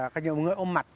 cái nhộn ngữ